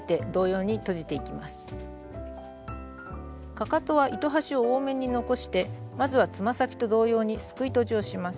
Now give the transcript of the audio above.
かかとは糸端を多めに残してまずはつま先と同様にすくいとじをします。